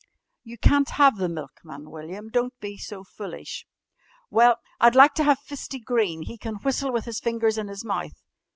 "You can't have the milkman, William. Don't be so foolish." "Well, I'd like to have Fisty Green. He can whistle with his fingers in his mouth."